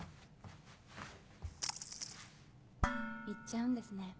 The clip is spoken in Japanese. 行っちゃうんですね。